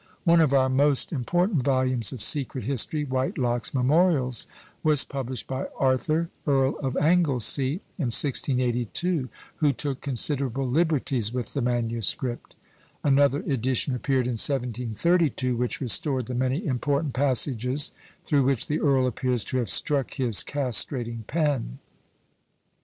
One of our most important volumes of secret history, "Whitelocke's Memorials," was published by Arthur, Earl of Anglesea, in 1682, who took considerable liberties with the manuscript; another edition appeared in 1732, which restored the many important passages through which the earl appears to have struck his castrating pen.